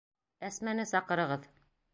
Әсмәне саҡырығыҙ!